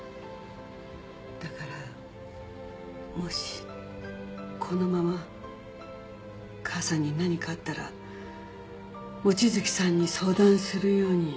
だからもしこのまま母さんに何かあったら望月さんに相談するように。